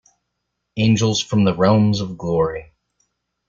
Angels from the realms of glory.